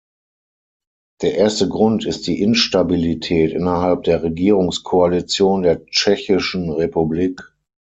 Der erste Grund ist die Instabilität innerhalb der Regierungskoalition der Tschechischen Republik.